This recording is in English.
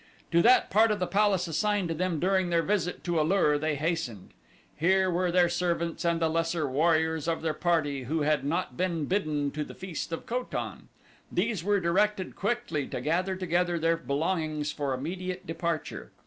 To that part of the palace assigned to them during their visit to A lur they hastened. Here were their servants and the lesser warriors of their party who had not been bidden to the feast of Ko tan. These were directed quickly to gather together their belongings for immediate departure.